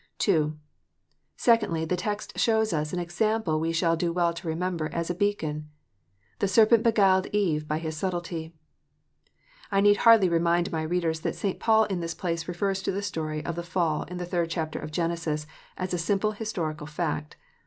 II. Secondly, the text shows us an example ice shall do well to remember, as a beacon :" The serpent beguiled Eve by his subtilty." I need hardly remind my readers that St. Paul in this place refers to the story of the fall in the third chapter of Genesis, as a simple historical fact.